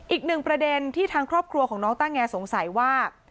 อีกหนึ่งประเด็นที่ทางครอบครัวของน้องต้าแงสงสัยว่า